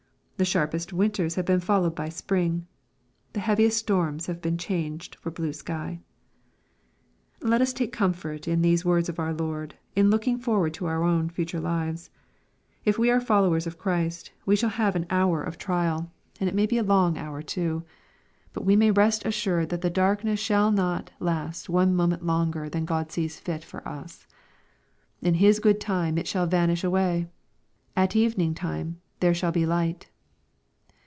The sharpest winters have been followed by spring The heaviest storms have been changed for blue sky. Let us take comfort in these words of our Lord, in looking forward to our own future lives. If we ai e followers of Christ, we shall have an " hour" of trial, LUKE, CHAP. XXII. 433 ftud it may be a long hour too. But we nuiy rest assured that the darkness shall not last one moment longer than God sees fit for us. la His good time it shall vanish away. "At evening time there shall be light.''